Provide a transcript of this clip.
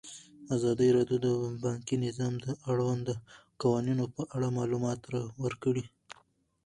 ازادي راډیو د بانکي نظام د اړونده قوانینو په اړه معلومات ورکړي.